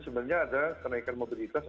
sebenarnya ada kenaikan mobilitas